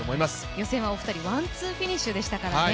予選はお二人ワンツーフィニッシュでしたからね。